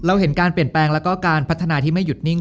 เห็นการเปลี่ยนแปลงแล้วก็การพัฒนาที่ไม่หยุดนิ่ง